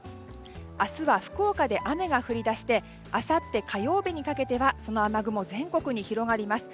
明日は福岡で雨が降り出してあさって火曜日にかけてはその雨雲、全国に広がります。